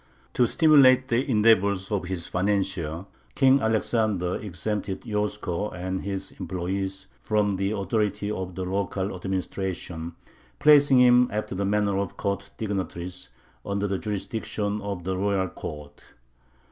To stimulate the endeavors of his financier, King Alexander exempted Yosko and his employees from the authority of the local administration, placing him, after the manner of court dignitaries, under the jurisdiction of the royal court.